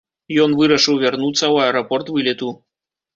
Ён вырашыў вярнуцца ў аэрапорт вылету.